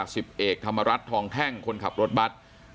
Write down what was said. สิบเอกธรรมรัฐทองแท่งคนขับรถบัตร